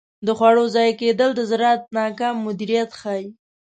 د خوړو ضایع کیدل د زراعت ناکام مدیریت ښيي.